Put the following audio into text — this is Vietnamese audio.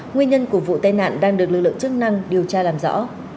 nguyên nhân của vụ tai nạn đang được lực lượng chức năng điều tra làm rõ